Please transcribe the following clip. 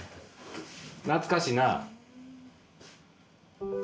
懐かしいな。